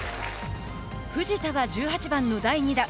藤田は１８番の第２打。